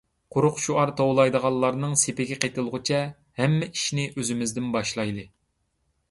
قۇرۇق شوئار توۋلايدىغانلارنىڭ سېپىگە قېتىلغۇچە ھەممە ئىشنى ئۆزىمىزدىن باشلايلى.